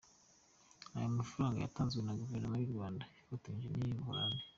Ayo mafaranga yatanzwe na Guverinoma y’u Rwanda ifatanyije n’iyu Buholandi.